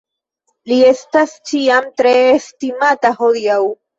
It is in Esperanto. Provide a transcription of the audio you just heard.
Li estas ĉiam tre estimata hodiaŭ.